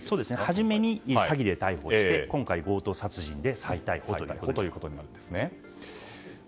初めに詐欺で逮捕して今回、強盗殺人で再逮捕ということになります。